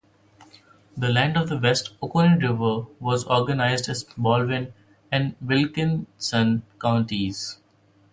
The land west of the Oconee River was organized as Baldwin and Wilkinson counties.